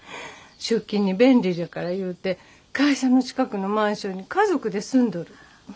出勤に便利じゃからいうて会社の近くのマンションに家族で住んどる。